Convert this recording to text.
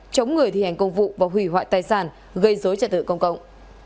chống người thi hành công vụ và hủy hoại tài sản gây dối trật tự công cộng